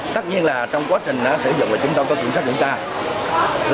tất nhiên là trong quá trình sử dụng là chúng tôi có kiểm soát kiểm tra